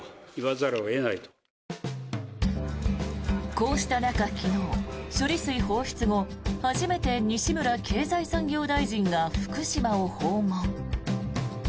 こうした中、昨日処理水放出後初めて西村経済産業大臣が福島を訪問。